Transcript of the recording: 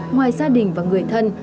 ngoài gia đình và người thân